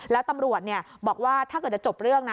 แล้วตำรวจบอกว่าถ้าเกิดจะจบเรื่องนะ